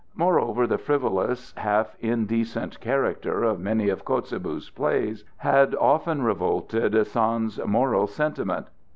Moreover the frivolous, half indecent character of many of Kotzebue's plays had often revolted Sand's moral sentiment.